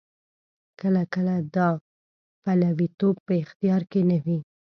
کله کله دا پلویتوب په اختیار کې نه وي.